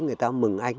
người ta mừng anh